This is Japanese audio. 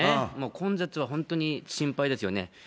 混雑は本当に心配ですよね。